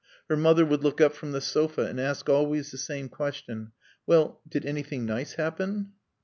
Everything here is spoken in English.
Her mother would look up from the sofa and ask always the same question, "Well, did anything nice happen?"